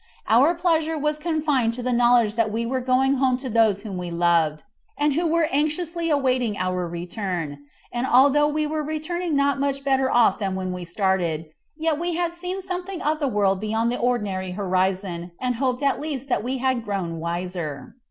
Our pleasure was confined to the knowledge that we were going home to those whom we loved, and who were anxiously awaiting our return; and although we were returning not much better off than when we started, yet we had seen something of the world beyond the ordinary horizon, and hoped at least that we had grown wiser.